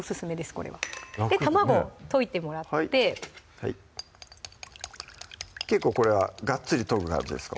これは卵溶いてもらってはい結構これはガッツリ溶く感じですか